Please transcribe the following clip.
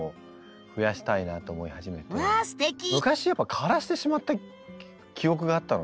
昔やっぱ枯らしてしまった記憶があったので。